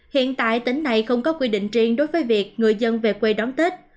hiện tại tỉnh này không có quy định riêng đối với việc người dân về quê đón tết